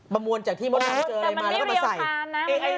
มามวลจากที่มดนเจออะไรมาแล้วก็มาใส่แต่มันไม่เรียวคารนะ